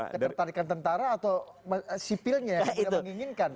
ketertarikan tentara atau sipilnya yang tidak menginginkan